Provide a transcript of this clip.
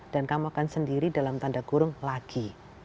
dan kamu akan sendiri dalam tanda gurung lagi